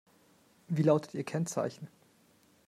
Wie lautet ihr Kennzeichen?